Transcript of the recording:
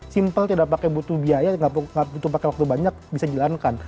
simple tidak butuh biaya gak butuh pakai waktu banyak bisa dijalankan